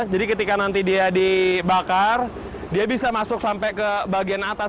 jadi ketika nanti dia dibakar dia bisa masuk sampai ke bagian atas